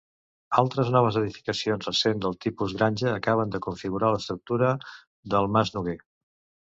Altres noves edificacions recents de tipus granja acaben de configurar l'estructura del mas Noguer.